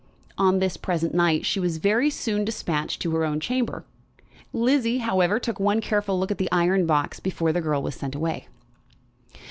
On this present night she was very soon despatched to her own chamber. Lizzie, however, took one careful look at the iron box before the girl was sent away.